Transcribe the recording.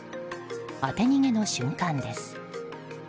当て逃げの瞬間です。